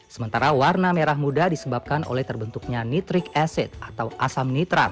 sementara warna merah muda disebabkan oleh terbentuknya nitric acid atau asam nitrat